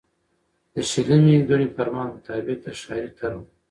د شلمي ګڼي فرمان مطابق د ښاري طرحو